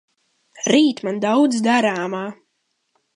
Rīt man daudz darāmā.